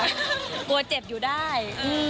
กลัวเจ็บอยู่ได้